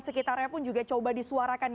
sekitarnya pun juga coba disuarakan